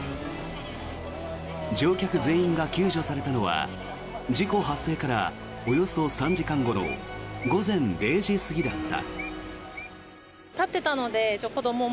乗客全員が救助されたのは事故発生からおよそ３時間後の午前０時過ぎだった。